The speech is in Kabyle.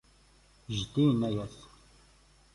Jeddi inna-yas.